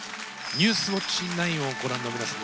「ニュースウオッチ９」をご覧の皆様